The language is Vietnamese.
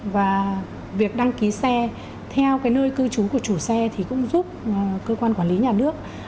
và việc đăng ký xe theo cái nơi cư trú của chủ xe thì cũng giúp cơ quan quản lý nhà nước